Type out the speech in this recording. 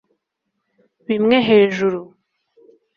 Bimwe hejuru